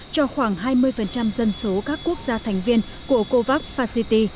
cho khoảng hai mươi dân số các quốc gia thành viên của covax facity